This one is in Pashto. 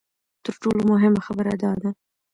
تر ټولو مهمه خبره دا ده.